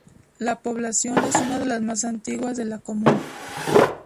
La población es una de las más antiguas de la comuna.